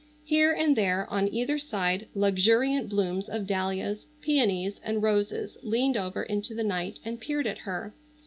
Here and there on either side luxuriant blooms of dahlias, peonies and roses leaned over into the night and peered at her.